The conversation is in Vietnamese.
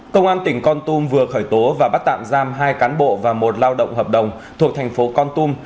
công an tỉnh con tum vừa khởi tố và bắt tạm giam hai cán bộ và một lao động hợp đồng thuộc thành phố con tum